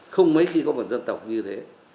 không mấy khi có một dân tộc như thế